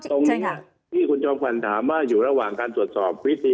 ตรงนี้ที่คุณจอมขวัญถามว่าอยู่ระหว่างการตรวจสอบวิธี